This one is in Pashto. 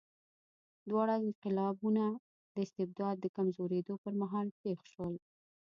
دواړه انقلابونه د استبداد د کمزورېدو پر مهال پېښ شول.